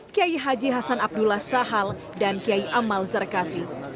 kiai haji hasan abdullah sahal dan kiai amal zarkasi